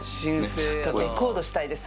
ちょっとレコードしたいです。